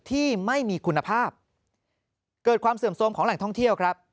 ที่ไม่มีคุณภาพเกิดความเสื่อมโทรมของแหล่งท่องเที่ยวครับ